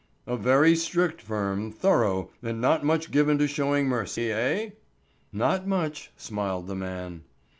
"A very strict firm, thorough, and not much given to showing mercy, eh?" "Not much," smiled the man.